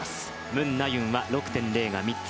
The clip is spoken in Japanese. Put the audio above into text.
ムン・ナユンは６．０が３つ。